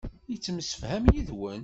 Yettemsefham yid-wen.